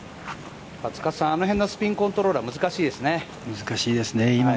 あの辺のスピンコントロールは難しいですよね。